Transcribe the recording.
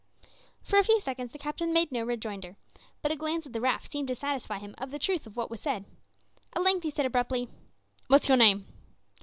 For a few seconds the captain made no rejoinder, but a glance at the raft seemed to satisfy him of the truth of what was said. At length he said abruptly "What's your name?"